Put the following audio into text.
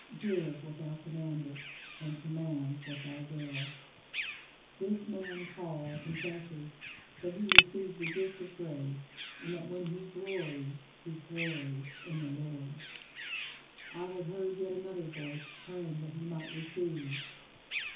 Give what thou commandest, and command what thou wilt. This man [Paul] confesses that he received the gift of grace and that, when he glories, he glories in the Lord. I have heard yet another voice praying that he might receive.